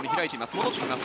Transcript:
戻ってきます。